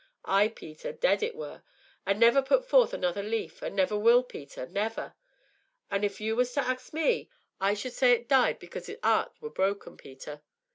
Ay, Peter, dead it were, an' never put forth another leaf, an' never will, Peter never. An', if you was to ax me, I should say as it died because its 'eart were broke, Peter.